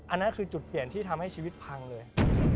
อันนั้นคือจุดเปลี่ยนที่ทำให้ชีวิตพังเลย